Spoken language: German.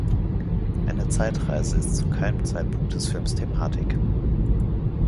Eine Zeitreise ist zu keinem Zeitpunkt des Films Thematik.